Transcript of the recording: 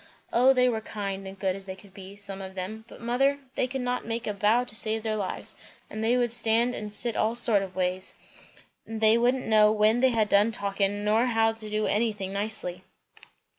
O they were kind and good as they could be, some of them; but mother, they could not make a bow to save their lives, and they would stand and sit all sorts of ways; and they wouldn't know when they had done talking, nor how to do anything nicely."